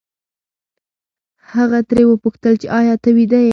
هغه ترې وپوښتل چې ایا ته ویده یې؟